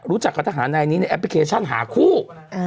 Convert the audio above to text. รู้จักกับทหารนายนี้ในแอปพลิเคชันหาคู่